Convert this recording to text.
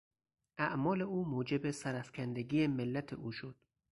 اعمال او موجب سرافکندگی ملت او شد.